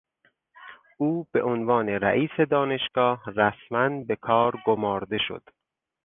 او به عنوان رییس دانشگاه رسما به کار گمارده شد.